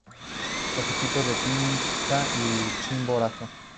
Los equipos de Pichincha y Chimborazo.